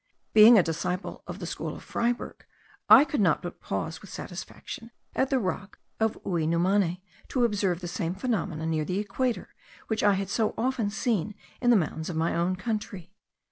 Being a disciple of the school of Freyberg, I could not but pause with satisfaction at the rock of Uinumane, to observe the same phenomena near the equator, which I had so often seen in the mountains of my own country.